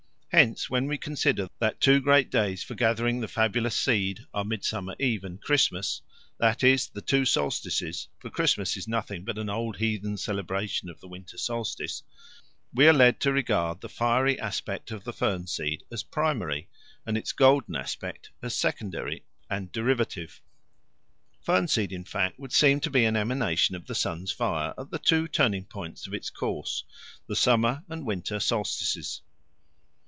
Hence, when we consider that two great days for gathering the fabulous seed are Midsummer Eve and Christmas that is, the two solstices (for Christmas is nothing but an old heathen celebration of the winter solstice) we are led to regard the fiery aspect of the fern seed as primary, and its golden aspect as secondary and derivative. Fern seed, in fact, would seem to be an emanation of the sun's fire at the two turning points of its course, the summer and winter solstices.